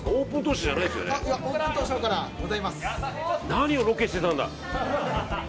何をロケしてたんだ！